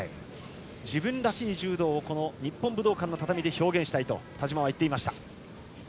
自分らしい柔道を日本武道館の畳で表現したいと田嶋は言っていました。